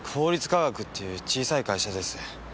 化学っていう小さい会社です。